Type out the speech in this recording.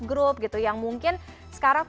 grup yang mungkin sekarang